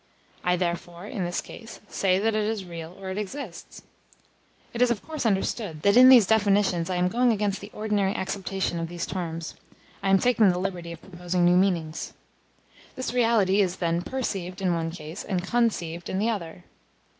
I therefore, in this case, say that it is real or it exists. It is of course understood, that in these definitions I am going against the ordinary acceptation of the terms; I am taking the liberty of proposing new meanings. This reality is, then, perceived in one case and conceived in the other.